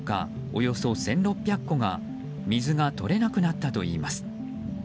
およそ１６００戸が水が取れなくなったといいます。